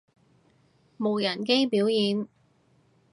無人機表演